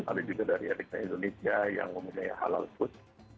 ada juga dari indonesia yang umumnya halal food